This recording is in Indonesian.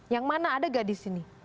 yang mana ada gak di sini